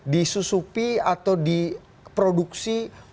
disusupi atau diproduksi